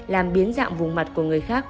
làm biến dạng vùng mặt của người khác